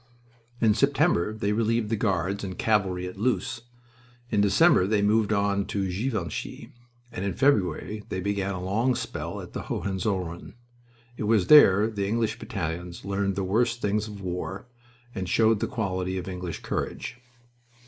In September they relieved the Guards and cavalry at Loos; in December they moved on to Givenchy, and in February they began a long spell at the Hohenzollern. It was there the English battalions learned the worst things of war and showed the quality of English courage.